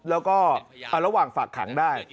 แล้วก็ระหว่างฝากขังได้